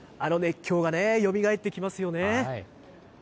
あの熱狂がよみがえってきますよね。